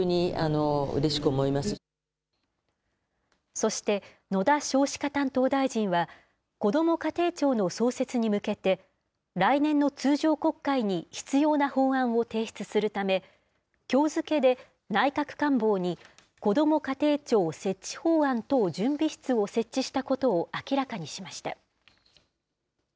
そして、野田少子化担当大臣は、こども家庭庁の創設に向けて、来年の通常国会に必要な法案を提出するため、きょう付けで、内閣官房にこども家庭庁設置法案等準備室を設置したことを明らかにしました。